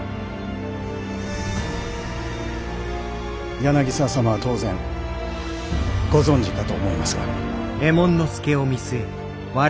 柳沢様は当然ご存じかと思いますが。